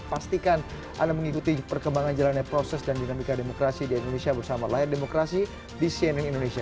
pastikan anda mengikuti perkembangan jalannya proses dan dinamika demokrasi di indonesia bersama layar demokrasi di cnn indonesia